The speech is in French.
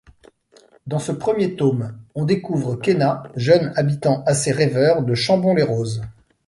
Dans ce premier tome, on découvre Khéna, jeune habitant assez rêveur de Chambon-les-Roses.